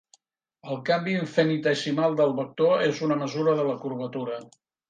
El canvi infinitessimal del vector és una mesura de la curvatura